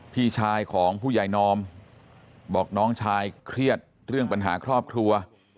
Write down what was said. พี่ชายของผู้ใหญ่นอมบอกน้องชายเครียดเรื่องปัญหาครอบครัว